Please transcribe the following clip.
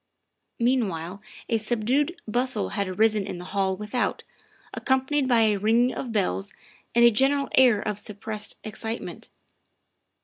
Meanwhile a subdued bustle had arisen in the hall without, accompanied by a ringing of bells and a gen eral air of suppressed excitement.